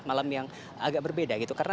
malam yang agak berbeda gitu karena